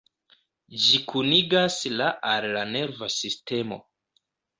Ĝi kunigas la al la nerva sistemo.